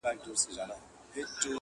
مِکروب د جهالت مو له وجود وتلی نه دی،